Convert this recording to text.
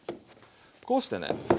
こうしてね。